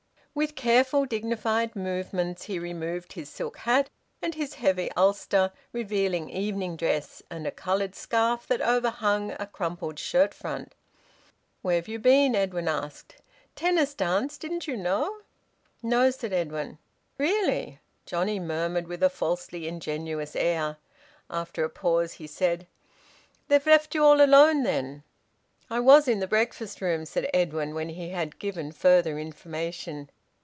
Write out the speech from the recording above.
With careful, dignified movements, he removed his silk hat and his heavy ulster, revealing evening dress, and a coloured scarf that overhung a crumpled shirt front. "Where've you been?" Edwin asked. "Tennis dance. Didn't you know?" "No," said Edwin. "Really!" Johnnie murmured, with a falsely ingenuous air. After a pause he said: "They've left you all alone, then?" "I was in the breakfast room," said Edwin, when he had given further information.